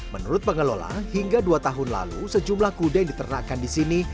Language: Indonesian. menurut pengelola hingga dua tahun lalu sejumlah kuda yang diternakan di sini